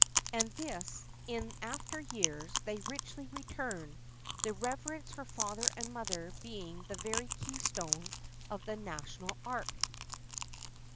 And this, in after years, they richly return, the reverence for father and mother being the very keystone of the national arch.